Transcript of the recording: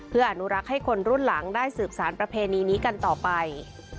เพื่ออนุรักษ์ให้คนรุ่นหลังได้สืบสารประเพณีนี้กันต่อไป